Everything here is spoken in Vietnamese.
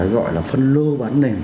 gọi là phân lô bán nền